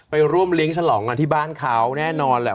ไปร่วมเลี้ยงฉลองกันที่บ้านเขาแน่นอนแหละ